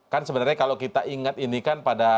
kan sebenarnya kalau kita ingat ini kan pada